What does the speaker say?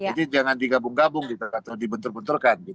jadi jangan digabung gabung atau dibentur benturkan gitu